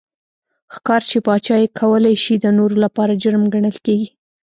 ښکار چې پاچا یې کولای شي د نورو لپاره جرم ګڼل کېږي.